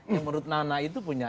yang menurut nana itu punya